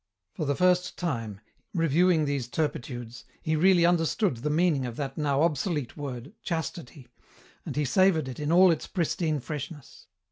For the first time, reviewing these turpitudes, he really understood the meaning of that now obsolete word chastity, and he savoured it in all its pristine freshness.